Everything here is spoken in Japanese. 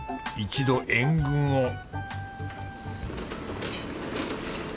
一度援軍を